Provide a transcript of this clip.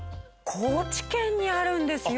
高知県にあるんですよ。